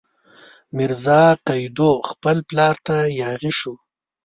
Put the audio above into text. میرزا قیدو خپل پلار ته یاغي شو.